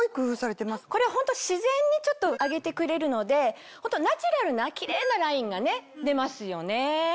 これホント自然にちょっと上げてくれるのでナチュラルなキレイなラインがね出ますよね。